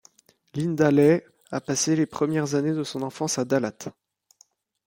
Linda Lê a passé les premières années de son enfance à Dalat.